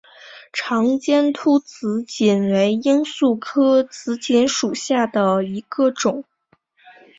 长尖突紫堇为罂粟科紫堇属下的一个种。